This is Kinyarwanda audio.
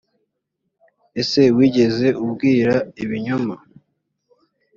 ese wigeze ubwirwa ibinyoma